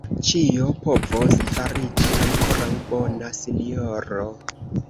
Ĉio povos fariĝi ankoraŭ bona, sinjoro.